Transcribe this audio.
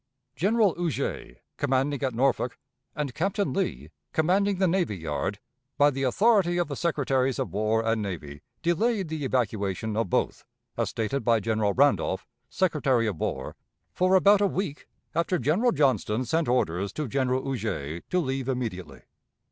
General Huger, commanding at Norfolk, and Captain Lee, commanding the navy yard, by the authority of the Secretaries of War and Navy, delayed the evacuation of both, as stated by General Randolph, Secretary of War, for about a week after General Johnston sent orders to General Huger to leave immediately.